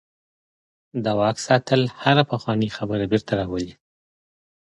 د واک ساتل هره پخوانۍ خبره بیرته راولي.